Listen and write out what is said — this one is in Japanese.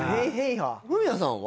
フミヤさんは？